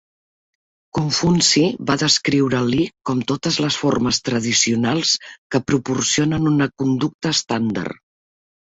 Confuci va descriure "Li" com totes les formes tradicionals que proporcionen una conducta estàndard.